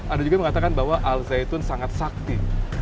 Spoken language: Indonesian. anda juga mengatakan bahwa al zaitun sangat sakti